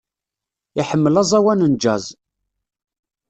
Iḥemmel aẓawan n jazz.